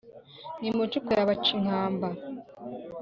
n’imicuko ya bacinkamba.